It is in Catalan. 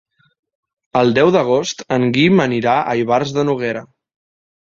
El deu d'agost en Guim anirà a Ivars de Noguera.